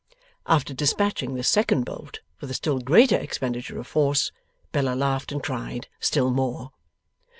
After despatching this second bolt with a still greater expenditure of force, Bella laughed and cried still more.